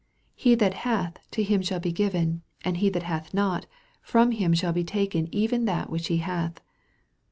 He that hath, to him shall be given : aud he that hath not, from him shall be taken even that which he hath."